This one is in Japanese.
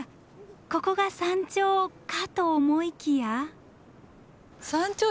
ここが山頂かと思いきや。